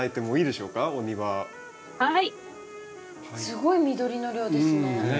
すごい緑の量ですね。